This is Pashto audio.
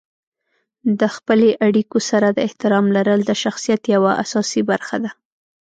د خپلې اړیکو سره د احترام لرل د شخصیت یوه اساسي برخه ده.